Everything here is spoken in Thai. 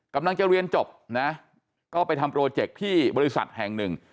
กำลังจะเรียนจบนะก็ไปทำโปรเจคที่บริษัทแห่งหนึ่ง